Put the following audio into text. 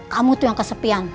kamu tuh yang kesepian